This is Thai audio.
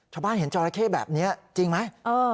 ชาวบ้านเห็นจอราเข้แบบนี้จริงไหม